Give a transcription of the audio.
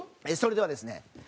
それではですね